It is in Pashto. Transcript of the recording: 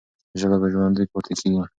ژبه به ژوندۍ پاتې کېږي.